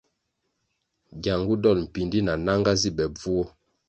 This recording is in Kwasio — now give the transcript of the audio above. Gyangu dol mpíndí na nanga zi be bvuo.